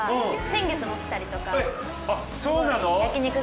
先月も来たりとか。